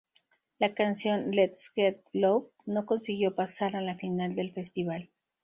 La canción "Let's get loud", no consiguió pasar a la final del festival.